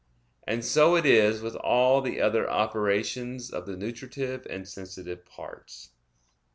And so it is with all the other operations of the nutritive and sensitive parts.